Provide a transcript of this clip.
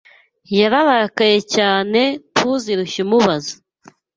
Yararakaye cyane ntuzirushye umubaza